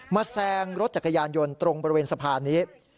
แซงรถจักรยานยนต์ตรงบริเวณสะพานนี้